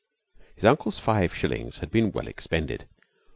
"] His uncle's five shillings had been well expended.